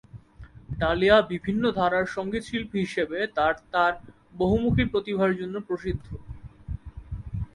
Dahlia বিভিন্ন ধারার সঙ্গীতশিল্পী হিসেবে তার তার বহুমূখী প্রতিভার জন্য প্রসিদ্ধ।